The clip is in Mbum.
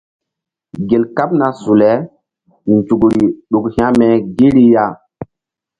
Gel kaɓna su le nzukri ɗuk hȩkme gi ri ya.